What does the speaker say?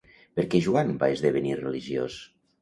Per què Joan va esdevenir religiós?